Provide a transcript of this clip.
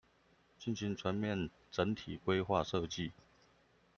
進行全面整體規劃設計